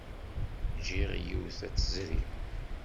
Jjiɣ yiwet ad tezri.